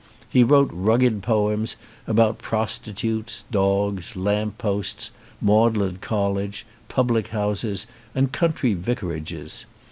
He wrote rugged poems about prostitutes, dogs, lamp posts, Magdalen College, public houses and country vicarages.